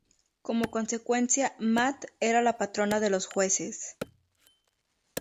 Como consecuencia, Maat era la patrona de los jueces.